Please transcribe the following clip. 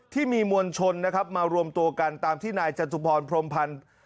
มวลชนนะครับมารวมตัวกันตามที่นายจตุพรพรมพันธ์